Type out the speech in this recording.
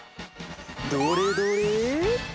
どれどれ？